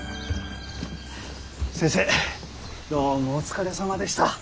先生どうもお疲れさまでした。